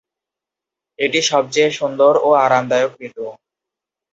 এটি সবচেয়ে সুন্দর ও আরামদায়ক ঋতু।